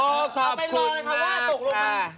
โอ้ขอบคุณมากค่ะเอาไปรอนะคะว่าตกลง